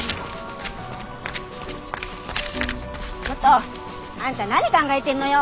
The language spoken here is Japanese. ちょっとあんた何考えてんのよ。